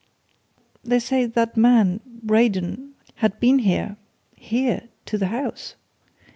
"They say that man Braden had been here here, to the house!